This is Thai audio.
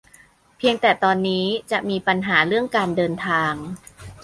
เพียงแต่ตอนนี้จะมีปัญหาเรื่องการเดินทาง